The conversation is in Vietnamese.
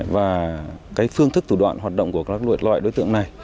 và cái phương thức thủ đoạn hoạt động của các loại đối tượng này